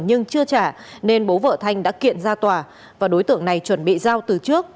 nhưng chưa trả nên bố vợ thanh đã kiện ra tòa và đối tượng này chuẩn bị giao từ trước